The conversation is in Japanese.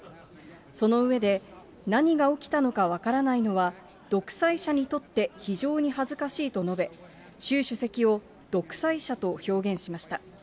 その上で、何が起きたのか分からないのは、独裁者にとって非常に恥ずかしいと述べ、習主席を独裁者と表現しました。